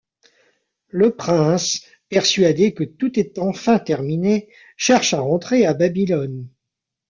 Le Prince, persuadé que tout est enfin terminé, cherche à rentrer à Babylone.